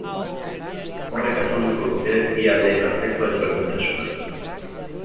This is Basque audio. Horrek azalduko luke bi aldeen arteko ezberdintasuna.